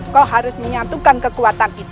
kok harus menyatukan kekuatan itu